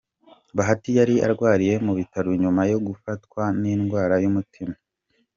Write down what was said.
Bahati yari arwariye mu bitaro nyuma yo gufatwa n'indwara y'umutima.